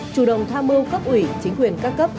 chủ động tham mưu cấp ủy chính quyền các cấp